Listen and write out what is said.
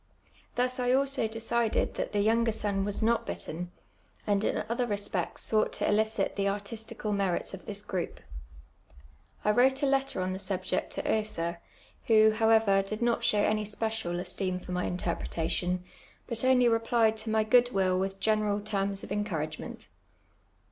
Thus I also decided that the vounger son was not bitten, and in other respects sought to elicit the artistical merits of t^ ^* L»Toup. I wTote a letter on the sub ject to Oeser. who, L . lt, did not show any special esteem for my interpretation, but only replied to my good will with general terms of encouragement.